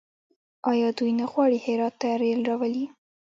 آیا دوی نه غواړي هرات ته ریل راولي؟